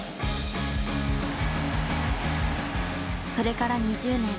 それから２０年。